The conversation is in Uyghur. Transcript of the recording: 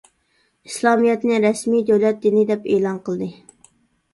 ئىسلامىيەتنى رەسمىي دۆلەت دىنى دەپ ئېلان قىلدى.